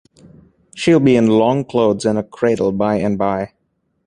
She'll be in long clothes and a cradle by and by.